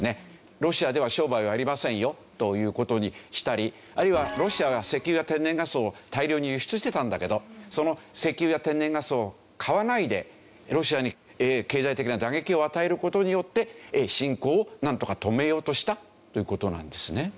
ロシアでは商売をやりませんよという事にしたりあるいはロシアが石油や天然ガスを大量に輸出してたんだけどその石油や天然ガスを買わないでロシアに経済的な打撃を与える事によって侵攻をなんとか止めようとしたという事なんですね。